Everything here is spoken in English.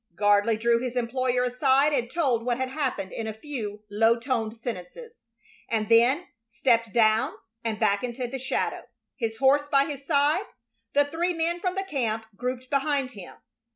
Gardley drew his employer aside and told what had happened in a few low toned sentences; and then stepped down and back into the shadow, his horse by his side, the three men from the camp grouped behind him.